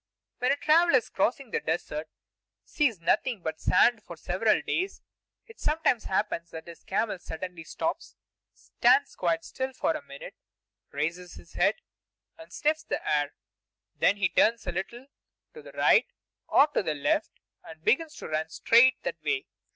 When a traveler is crossing the desert and sees nothing but sand for several days, it sometimes happens that his camel suddenly stops, stands quite still for a minute, raises his head, and sniffs the air. Then he turns a little to the right or to the left, and begins to run straight that way.